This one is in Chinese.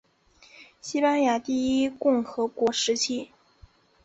西班牙第一共和国时期。